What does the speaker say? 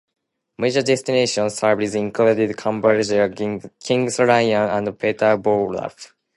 Major destinations served included Cambridge, King's Lynn and Peterborough.